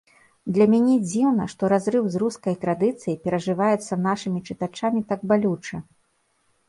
Для мяне дзіўна, што разрыў з рускай традыцыяй перажываецца нашымі чытачамі так балюча.